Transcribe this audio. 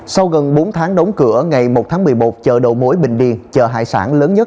sau gần bốn tháng đóng cửa ngày một tháng một mươi một chợ đầu mối bình điền chợ hải sản lớn nhất